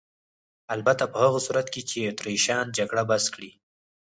البته په هغه صورت کې چې اتریشیان جګړه بس کړي.